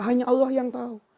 hanya allah yang tahu